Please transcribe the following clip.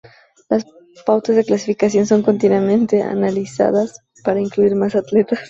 Las pautas de clasificación son continuamente son analizadas para incluir más atletas.